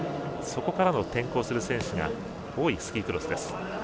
そこから転向する選手が多いスキークロスです。